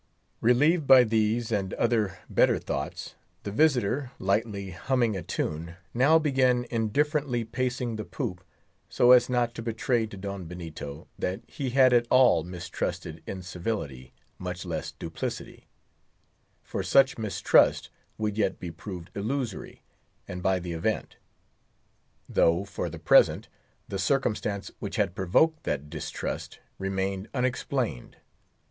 Relieved by these and other better thoughts, the visitor, lightly humming a tune, now began indifferently pacing the poop, so as not to betray to Don Benito that he had at all mistrusted incivility, much less duplicity; for such mistrust would yet be proved illusory, and by the event; though, for the present, the circumstance which had provoked that distrust remained unexplained.